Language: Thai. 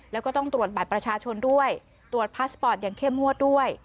แล้วก็ต้องตรวจบัตรประชาชนด้วยตรวจพาสปอร์ตอย่างเข้มงวดด้วย